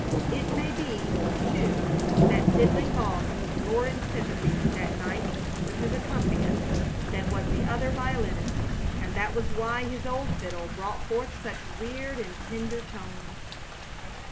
It may be, too, that Fiddling Boss was more in sympathy that night with his accompanist than was the other violinist, and that was why his old fiddle brought forth such weird and tender tones.